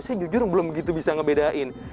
saya jujur belum begitu bisa ngebedain